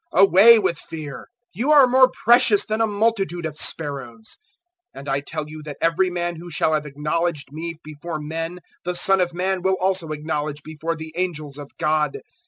Away with fear: you are more precious than a multitude of sparrows.' 012:008 "And I tell you that every man who shall have acknowledged me before men, the Son of Man will also acknowledge before the angels of God.